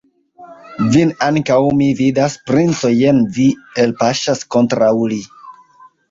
Vin ankaŭ mi vidas, princo, jen vi elpaŝas kontraŭ li.